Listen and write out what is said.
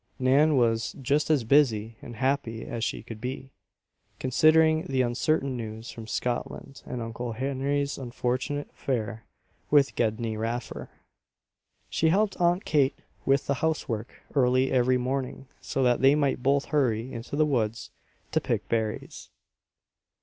Nan was just as busy and happy as she could be, considering the uncertain news from Scotland and Uncle Henry's unfortunate affair with Gedney Raffer. She helped Aunt Kate with the housework early every morning so that they might both hurry into the woods to pick berries.